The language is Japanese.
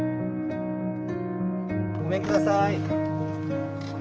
ごめんください。